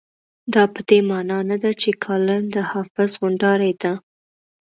دا په دې مانا نه ده چې کالم د حافظ غونډارۍ ده.